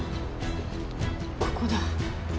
ここだ。